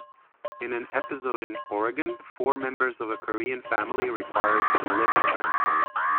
In an episode in Oregon, four members of a Korean family required liver transplants.